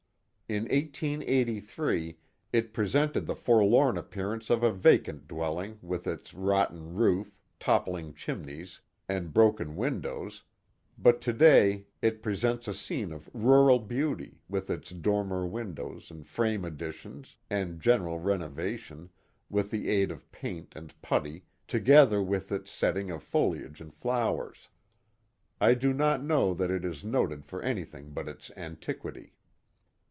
In 1883 it presented the forlorn appearance of a vacant dwelling with its rotten roof, toppling chimneys, and broken windows, but to day it presents a scene of rural beauty with its dormer windows and frame additions and general reno vation, with the aid of paint and putty, together with its set ting of foliage and flowers. I do not know that it is noted for anything but its antiquity.